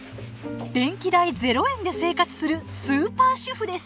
電気代０円で生活するスーパー主婦です。